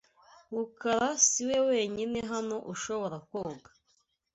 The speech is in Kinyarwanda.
Rukara siwe wenyine hano ushobora koga.